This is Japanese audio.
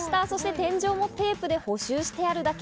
天井もテープで補修してあるだけ。